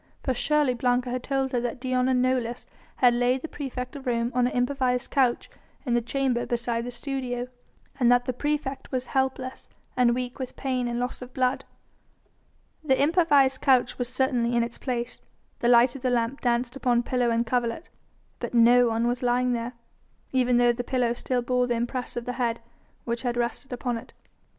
For surely Blanca had told her that Dion and Nolus had laid the praefect of Rome on an improvised couch in the chamber beside the studio, and that the praefect was helpless and weak with pain and loss of blood. The improvised couch was certainly in its place, the light of the lamp danced upon pillow and coverlet, but no one was lying there, even though the pillow still bore the impress of the head which had rested on it.